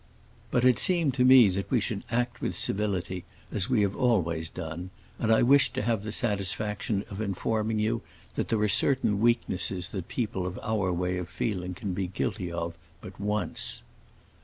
But it seemed to me that we should act with civility, as we have always done, and I wished to have the satisfaction of informing you that there are certain weaknesses that people of our way of feeling can be guilty of but once."